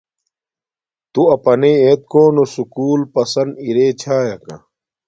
تو اپنݵ ایت کونو سوکول پسند ارے چھاݵیکا،